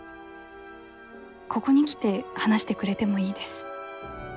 ここに来て話してくれてもいいです。